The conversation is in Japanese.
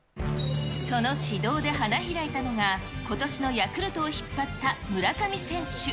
その指導で花開いたのが、ことしのヤクルトを引っ張った村上選手。